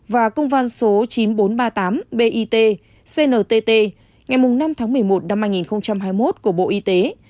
và công văn số chín nghìn bốn trăm ba mươi tám bit cntt ngày năm tháng một mươi một năm hai nghìn hai mươi một của bộ y tế